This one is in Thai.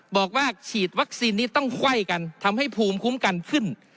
บอกว่าฉีดวัคซีนนี้ต้องไขว้กันทำให้ภูมิคุ้มกันขึ้น